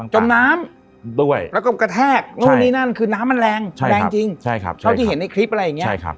จมน้ำด้วยแล้วก็กระแทกนู่นนี่นั่นคือน้ำมันแรงแรงจริงเท่าที่เห็นในคลิปอะไรอย่างนี้